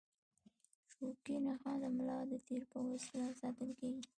شوکي نخاع د ملا د تیر په وسیله ساتل کېږي.